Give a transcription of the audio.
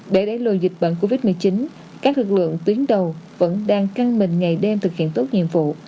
để đẩy lùi dịch bệnh covid một mươi chín các lực lượng tuyến đầu vẫn đang căng mình ngày đêm thực hiện tốt nhiệm vụ